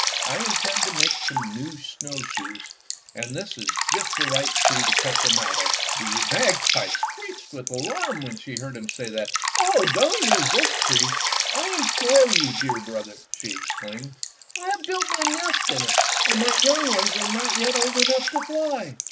"I intend to make some new snowshoes, and this is just the right tree to cut them out of." The magpie screeched with alarm when she heard him say that. "Oh, don't use this tree, I implore you, dear brother!" she ex claimed. " I have built my nest in it, and my young ones are not yet old enough to fly."